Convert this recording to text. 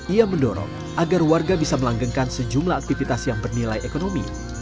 ia mendorong agar warga bisa melanggengkan sejumlah aktivitas yang bernilai ekonomi